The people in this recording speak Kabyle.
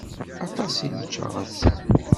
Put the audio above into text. Aṭas i nečča ass-a.